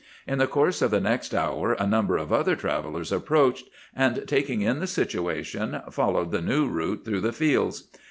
In the course of the next hour a number of other travellers approached, and taking in the situation, followed the new route through the fields.